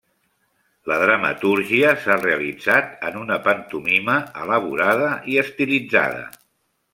La dramatúrgia s’ha realitzat en una pantomima elaborada i estilitzada.